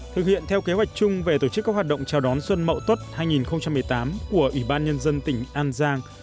thực hiện theo kế hoạch chung về tổ chức các hoạt động chào đón xuân mậu tuất hai nghìn một mươi tám của ủy ban nhân dân tỉnh an giang